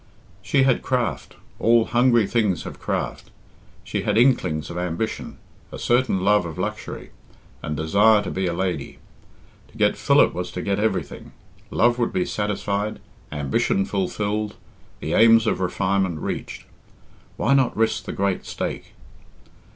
She had craft all hungry things have craft. She had inklings of ambition, a certain love of luxury, and desire to be a lady. To get Philip was to get everything. Love would be satisfied, ambition fulfilled, the aims of refinement reached. Why not risk the great stake?